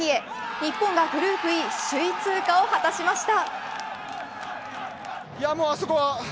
日本がグループＥ首位通過を果たしました。